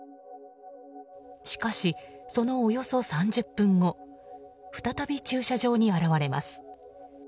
しかし、そのおよそ３０分後再び駐車場に現れます。